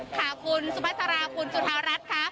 ค่ะคุณสุภาษาราคุณจุธารัฐครับ